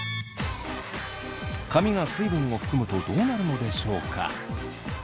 髪が水分を含むとどうなるのでしょうか？